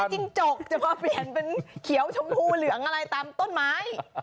จิ้งจกจะมาเปลี่ยนเป็นเขียวชมพูเหลืองอะไรตามต้นไม้